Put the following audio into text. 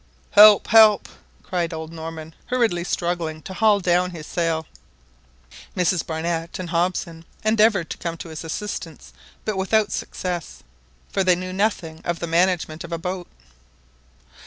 "Help! help!" cried old Norman, hurriedly struggling to haul down his sail. Mrs Barnett and Hobson endeavoured to come to his assistance, but without success, for they knew noticing of the management of a boat.